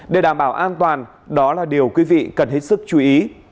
để đảm bảo an toàn đó là điều quý vị cần hết sức chú ý